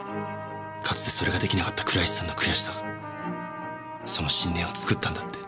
かつてそれが出来なかった倉石さんの悔しさがその信念を作ったんだって。